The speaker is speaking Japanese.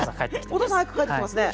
お父さん早く帰ってきてますね。